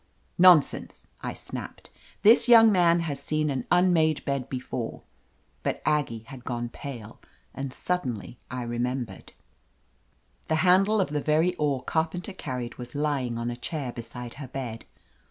"Nonsense," I snapped. "This young man has seen an unmade bed before." But Aggie had gone pale, and suddenly I remembered. The handle of the very oar Carpenter carried was lying on a chair beside her bed.